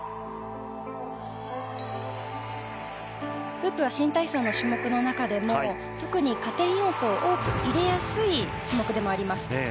フープは新体操の種目の中でも特に加点要素を多く入れやすい種目でもあります。